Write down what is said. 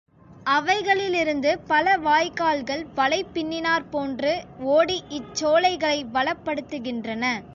அவைகளிலிருந்து பல வாய்க்கால்கள் வலை பின்னினாற் போன்று ஓடி இச் சோலைகளை வளப்படுத்துகின்றன.